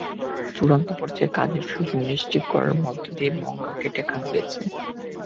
চূড়ান্ত পর্যায়ে কাজের সুযোগ নিশ্চিত করার মধ্য দিয়েই মঙ্গাকে ঠেকানো গেছে।